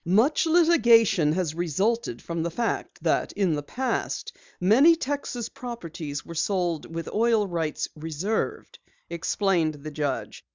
"Much litigation has resulted from the fact that in the past many Texas properties were sold with oil rights reserved," explained the judge.